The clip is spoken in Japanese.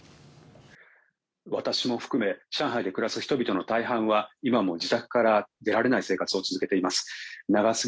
私も含め上海で暮らす人々の大半は今も自宅から出られない生活を続けています。